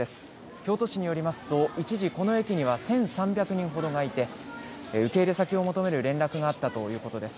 京都市によりますと一時、この駅には１３００人ほどがいて受け入れ先を求める連絡があったということです。